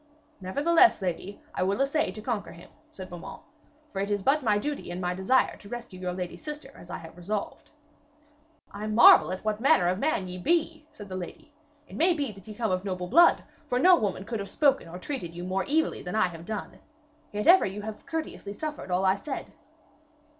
'Nevertheless, lady, I will essay to conquer him,' said Beaumains, 'for it is but my duty and my desire to rescue your lady sister as I have resolved.' 'I marvel what manner of man ye be,' said the lady. 'It must be that ye come of noble blood, for no woman could have spoken or treated you more evilly than I have done. Yet ever you have courteously suffered all I said.'